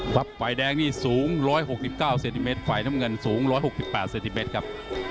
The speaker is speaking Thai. ฝ่ายแดงนี่สูง๑๖๙เซนติเมตรฝ่ายน้ำเงินสูง๑๖๘เซนติเมตรครับ